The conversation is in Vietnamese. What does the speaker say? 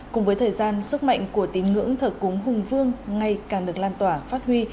cùng với thời gian sức mạnh của tín ngưỡng thờ cúng hùng vương ngày càng được lan tỏa phát huy